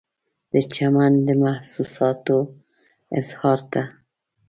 د چمن د محسوساتو و اظهار ته